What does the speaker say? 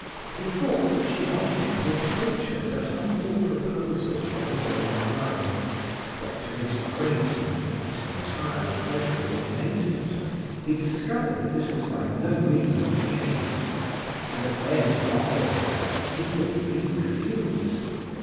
He thought that she wanted him to approach her with a humble proposal from his own side. But to his great, and not entirely pleasurable amazement, he discovered that this was by no means the case, and that were he to offer himself he would be refused.